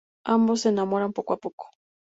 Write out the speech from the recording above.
Ambos se enamoran poco a poco.